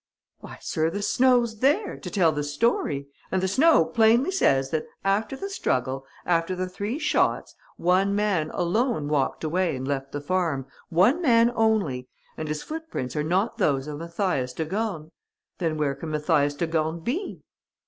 "Why, sir, the snow's there, to tell the story; and the snow plainly says that, after the struggle, after the three shots, one man alone walked away and left the farm, one man only, and his footprints are not those of Mathias de Gorne. Then where can Mathias de Gorne be?"